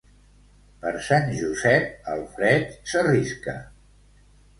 Per Sant Josep, el fred s'arrisca.